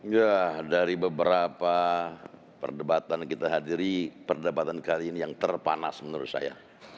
ya dari beberapa perdebatan yang kita hadiri perdebatan kali ini yang terpanas menurut saya